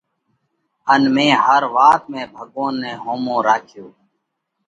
ان مئين هر وات ۾ ڀڳوونَ نئہ ۿومو راکيوھ۔